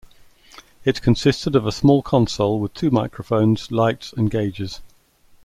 It consisted of a small console with two microphones, lights and gauges.